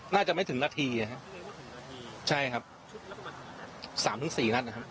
น่าจะไม่ถึงนาทีนะครับใช่ครับสามถึงสี่นัดนะครับ